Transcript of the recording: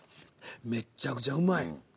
めっちゃくちゃうまい。